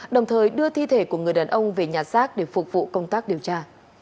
đồng thời đưa thi thể của người đàn ông về nhà xác để phục vụ công tác điều tra